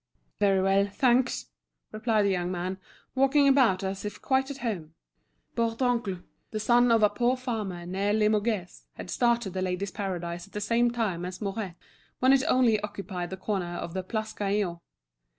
"Very well, thanks," replied the young man, walking about as if quite at home. Bourdoncle, the son of a poor farmer near Limoges, had started at The Ladies' Paradise at the same time as Mouret, when it only occupied the corner of the Place Gaillon.